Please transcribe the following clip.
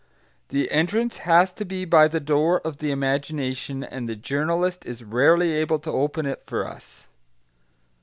The entrance has to be by the door of the imagination, and the journalist is rarely able to open it for us.